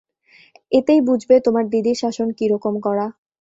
এতেই বুঝবে তোমার দিদির শাসন কিরকম কড়া।